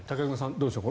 どうでしょう